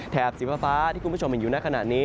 สีฟ้าที่คุณผู้ชมเห็นอยู่ในขณะนี้